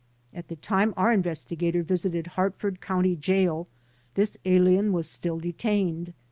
At the time our investi gator visited Hartford County Jail this alien was still detained.